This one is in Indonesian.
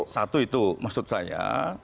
satu itu maksud saya